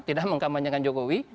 tidak mengkampanyekan jokowi